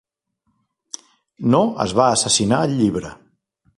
No es va assassinar el llibre.